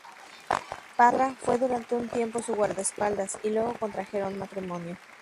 Parra fue durante un tiempo su guardaespaldas y luego contrajeron matrimonio.